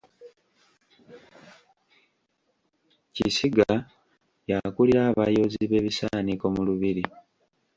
Kisiga y'akulira abayoozi b’ebisaaniiko mu Lubiri.